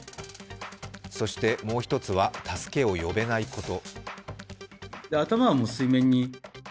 そしてもう一つは助けを呼べないこと。